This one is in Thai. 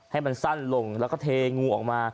ให้มันสั้นลงแล้วก็เทงูออกมา